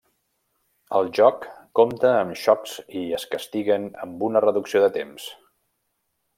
El joc compta amb xocs i es castiguen amb una reducció de temps.